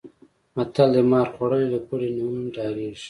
متل دی: مار خوړلی له پړي نه هم ډارېږي.